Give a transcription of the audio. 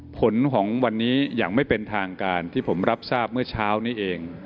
ผลของวันนี้อย่างไม่เป็นทางการที่ผมรับทราบเมื่อเช้านี้เอง